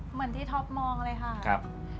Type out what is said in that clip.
เหมือนที่ท็อปมองเลยค่ะ